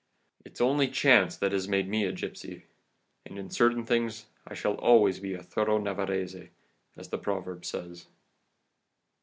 It's only chance that has made me a gipsy, and in certain things I shall always be a thorough Navarrese,* as the proverb says.